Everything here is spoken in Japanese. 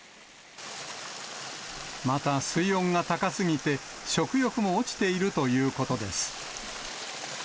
また、水温が高すぎて、食欲も落ちているということです。